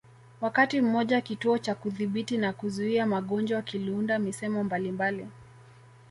Wakati mmoja Kituo cha Kudhibiti na Kuzuia Magonjwa kiliunda misemo mbalimbali